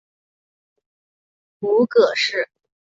母葛氏。